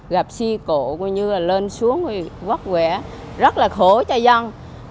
gặp si cổ như là lên xuống quét quẻ rất là khổ cho dân